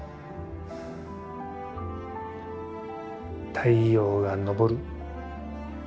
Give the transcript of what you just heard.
太陽が昇る。